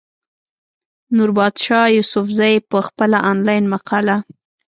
نوربادشاه يوسفزۍ پۀ خپله انلاين مقاله